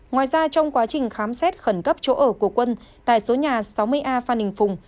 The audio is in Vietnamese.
ngoài ra trong quá trình khám xét khẩn cấp chỗ ở của quân tại số nhà sáu mươi a phan đình phùng